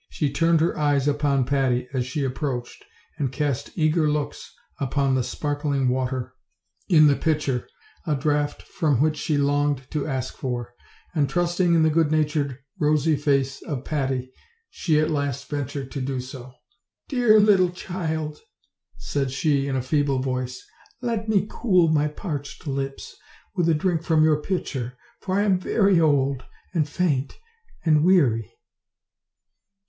She turned her eyes upon Patty as she ap proached, and cast eager looks upon the sparkling water OLD, OLD FAIET TALES. 17 in the pitcher, a draught from which she longed to ask for; and trusting in the good natured rosy face of Patty, she at last ventured to do so. ''Dear little child," said she in a feeble voice, "let me cool my parched lips with a drink from your pitcher, for I am very old, and faint, and weary."